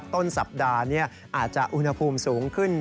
ต้นสัปดาห์นี้อาจจะอุณหภูมิสูงขึ้น